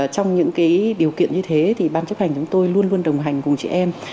trong những điều kiện như thế thì ban chấp hành chúng tôi luôn luôn đồng hành cùng chị em